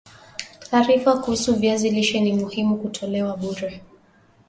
Taarifa kuhusu viazi lishe ni muhimu kutolewa bure